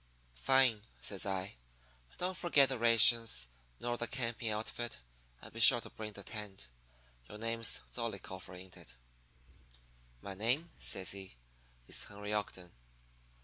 "'Fine,' says I. 'And don't forget the rations. Nor the camping outfit. And be sure to bring the tent. Your name's Zollicoffer, ain't it?" "'My name,' says he, 'is Henry Ogden.'